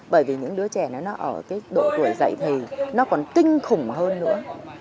bởi vì những đứa trẻ nó ở độ tuổi dạy thì nó còn kinh khủng hơn nữa